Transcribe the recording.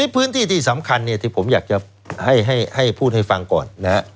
พื้นที่ที่สำคัญที่ผมอยากจะให้พูดให้ฟังก่อน